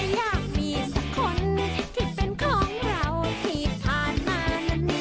อยากมีสักคนที่เป็นของเราที่ผ่านมานั้น